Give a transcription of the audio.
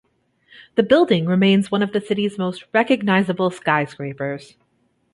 The building remains one of the city's most recognizable skyscrapers.